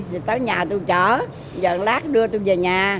thì tới nhà tôi chở giờ lát đưa tôi về nhà